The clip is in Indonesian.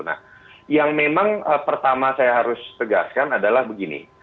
nah yang memang pertama saya harus tegaskan adalah begini